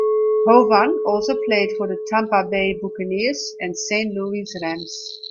Hovan also played for the Tampa Bay Buccaneers and Saint Louis Rams.